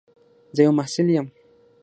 زه یو محصل یم.